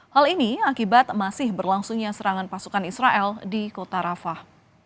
hal ini akibat masih berlangsungnya serangan pasukan israel di kota rafah